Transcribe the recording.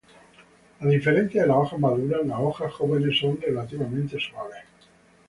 A diferencia de las hojas maduras, las hojas jóvenes son relativamente suaves.